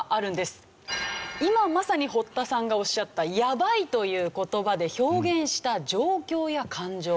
今まさに堀田さんがおっしゃった「やばい」という言葉で表現した状況や感情。